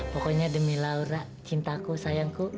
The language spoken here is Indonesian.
pokoknya demi laura cintaku sayangku